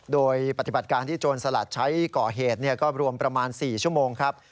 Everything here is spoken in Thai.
โดยปฏิบัติการที่โจรสลัดใช้ก่อเหตุก็รวมประมาณ๔ชั่วโมงครับ